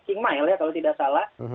king mile ya kalau tidak salah